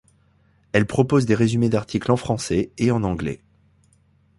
Elle propose des résumés d'articles en français et en anglais.